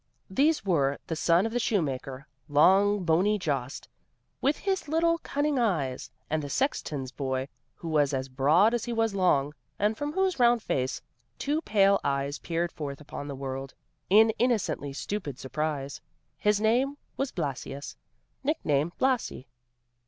These were, the son of the shoemaker, long, bony Jost, with his little, cunning eyes, and the sexton's boy, who was as broad as he was long, and from whose round face two pale eyes peered forth upon the world, in innocently stupid surprise. His name was Blasius, nicknamed Blasi.